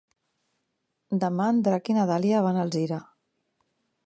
Demà en Drac i na Dàlia van a Alzira.